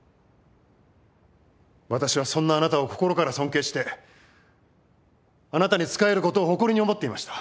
私はそんなあなたを心から尊敬してあなたに仕える事を誇りに思っていました。